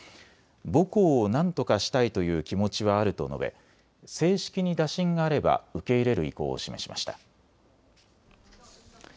母校をなんとかしたいという気持ちはあると述べ正式に打診があれば受け入れる意向を示しました。